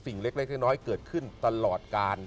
สิ่งเล็กน้อยเกิดขึ้นตลอดการ